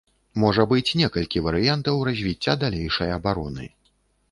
Можа быць некалькі варыянтаў развіцця далейшай абароны.